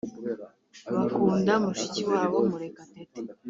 bakunda mushiki wabo Murekatete